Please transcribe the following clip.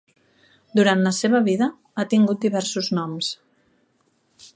Durant la seva vida ha tingut diversos noms.